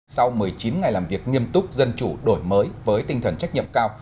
sau một mươi chín ngày làm việc nghiêm túc dân chủ đổi mới với tinh thần trách nhiệm cao